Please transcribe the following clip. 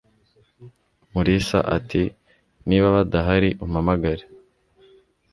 Mulisa ati: "Niba badahari, umpamagare."